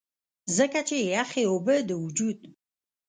ځکه چې يخې اوبۀ د وجود